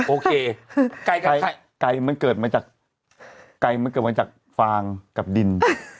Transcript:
โอเคไก่มันเกิดมาจากฟางกับดิน